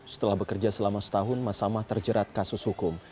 setelah bekerja selama setahun mas amah terjerat kasus hukum